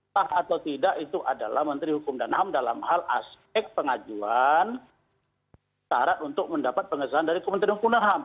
sah atau tidak itu adalah menteri hukum dan ham dalam hal aspek pengajuan syarat untuk mendapat pengesahan dari kementerian hukum dan ham